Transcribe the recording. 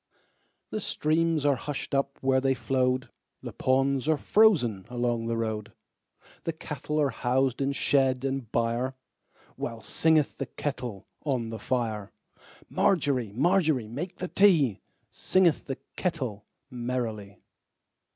The streams are hushed up where they flowed, The ponds are frozen along the road, The cattle are housed in shed and byreWhile singeth the kettle on the fire. Margery, Margery, make the tea, Singeth the kettle merrily.